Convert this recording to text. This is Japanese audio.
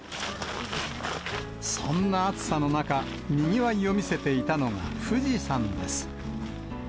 そんな暑さの中、にぎわいを見せていたのが富士山です。